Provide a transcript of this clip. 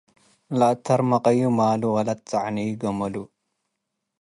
ለአተርመቀዩ ማሉ ወለጸዕነዩ ገመሉ።